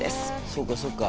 そうかそうか。